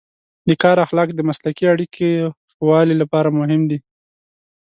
د کار اخلاق د مسلکي اړیکو ښه والي لپاره مهم دی.